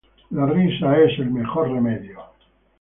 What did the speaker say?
La risa es el mejor remedio.